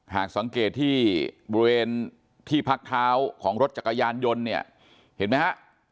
หากสังเกตที่บริเวณที่พักเท้าของรถจักรยานยนต์เนี่ยเห็นไหมฮะ